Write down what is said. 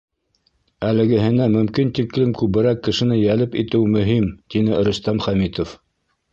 Әлегеһенә мөмкин тиклем күберәк кешене йәлеп итеү мөһим, — тине Рөстәм Хәмитов.